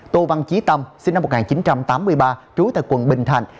tô văn chí tâm sinh năm một nghìn chín trăm tám mươi ba trú tại quận bình thạnh